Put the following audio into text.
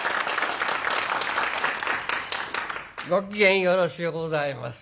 ご機嫌よろしゅうございます。